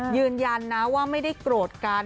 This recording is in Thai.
ยืนยันนะว่าไม่ได้โกรธกัน